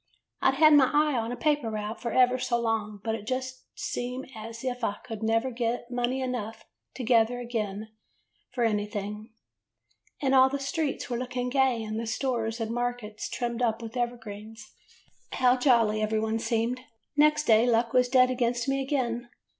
"I 'd had my eye on a paper route for ever so long, but it did just seem as if I never could get money enough together again for any [ 57 ] AN EASTER LILY thing. And all the streets were looking gay and the stores and markets trimmed up with evergreens. How jolly every one seemed! "Next day luck was dead against me again.